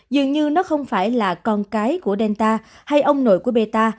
dường như nó không phải là con cái của delta hay ông nội của beta